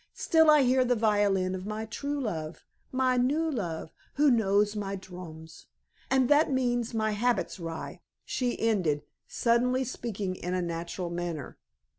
Still I hear the violin of my true love, my new love, who knows my droms, and that means my habits, rye," she ended, suddenly speaking in a natural manner.